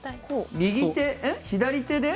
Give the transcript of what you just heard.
右手左手で？